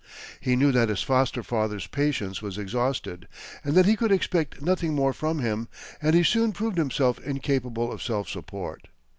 He knew that his foster father's patience was exhausted, and that he could expect nothing more from him, and he soon proved himself incapable of self support.